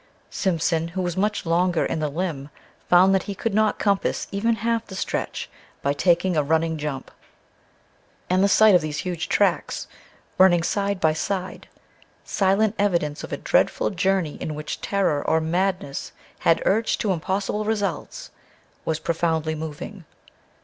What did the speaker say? Simpson, who was much longer in the limb, found that he could not compass even half the stretch by taking a running jump. And the sight of these huge tracks, running side by side, silent evidence of a dreadful journey in which terror or madness had urged to impossible results, was profoundly moving.